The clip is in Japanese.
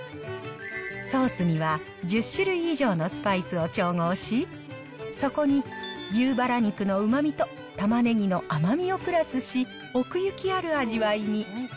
ソースには１０種類以上のスパイスを調合し、そこに牛ばら肉のうまみと、たまねぎの甘みもプラスし、奥行きある味わいに。